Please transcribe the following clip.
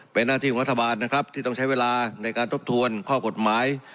เป็นหน้าที่ของรัฐบาลนะครับที่ต้องใช้เวลาในการทบทวนข้อกฎหมาย